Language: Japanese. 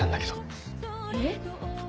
えっ？